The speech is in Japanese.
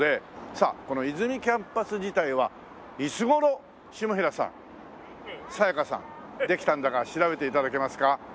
さあこの和泉キャンパス自体はいつ頃下平さんさやかさんできたんだか調べて頂けますか？